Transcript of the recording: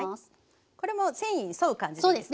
これも線維に沿う感じですか？